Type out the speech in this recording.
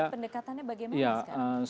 pendekatannya bagaimana sekarang